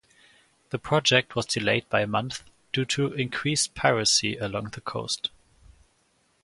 The project was delayed by a month due to increased piracy along the coast.